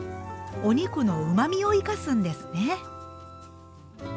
お肉のうまみを生かすんですね。